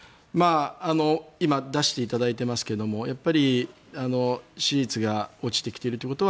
今出していただいていますがやっぱり支持率が落ちてきているということは